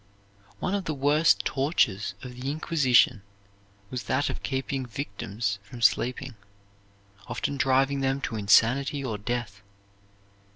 One of the worst tortures of the Inquisition was that of keeping victims from sleeping, often driving them to insanity or death.